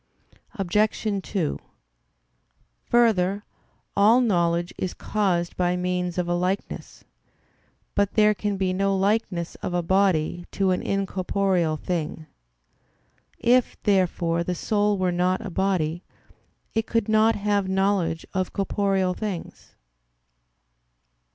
Obj. 2: Further, all knowledge is caused by means of a likeness. But there can be no likeness of a body to an incorporeal thing. If, therefore, the soul were not a body, it could not have knowledge of corporeal things.